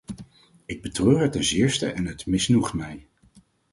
Ik betreur het ten zeerste en het misnoegt mij.